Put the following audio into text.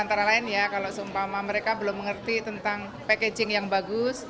antara lain ya kalau seumpama mereka belum mengerti tentang packaging yang bagus